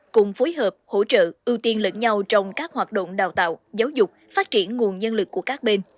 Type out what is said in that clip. cùng phối hợp hỗ trợ ưu tiên lẫn nhau trong các hoạt động đào tạo giáo dục phát triển nguồn nhân lực của các bên